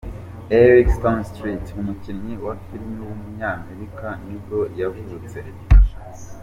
Eric Stonestreet, umukinnyi wa filime w’umunyamerika nibwo yavutse.